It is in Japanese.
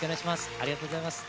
ありがとうございます。